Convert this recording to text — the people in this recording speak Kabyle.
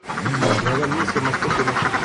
Deg lawan-nni Sima tfuk lmakla.